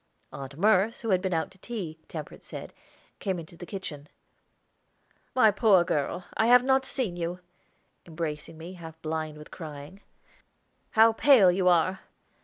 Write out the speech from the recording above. Aunt Merce, who had been out to tea, Temperance said, came into the kitchen. "My poor girl, I have not seen you," embracing me, half blind with crying, "How pale you are!